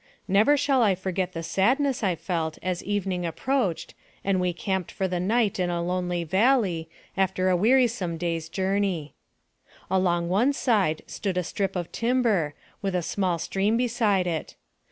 Never shall I forget the sadness I felt as evening approached, and we encamped for the night in a lonely valley, after a wearisome day's journey. Along one side stood a strip of timber, with a small stream beside it.